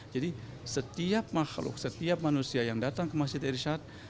jadi setiap makhluk setiap manusia yang datang ke masjid al irshad